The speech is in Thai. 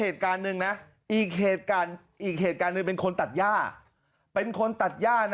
ตัดย่า